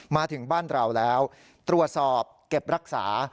มาถึงบ้านเราแล้วตรวจสอบเก็บรักษา